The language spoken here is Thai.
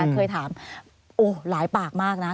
เคยถามหลายปากมากนะ